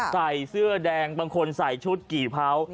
ใส่เสื้อแดงบางคนใส่ชุดกี่เผา